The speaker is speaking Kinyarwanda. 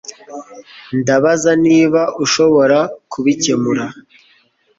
Ndabaza niba ushobora kubikemura